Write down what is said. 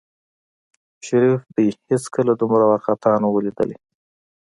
شريف دى هېڅکله دومره وارخطا نه و ليدلى.